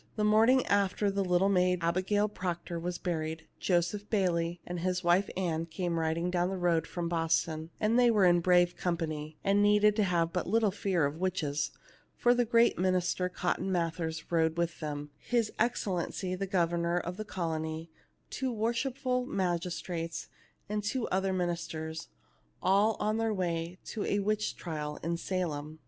The morning after the little maid Abigail Proc tor was buried, Joseph Bayley and his wife Ann came riding down the road from Boston, and they were in brave company, and needed to have but little fear of witches ; for the great minister Cotton Mather rode with them, his Excellency the Governor of the colony, two worshipful mag istrates, and two other ministers ŌĆö all on their way to a witch trial in Salem.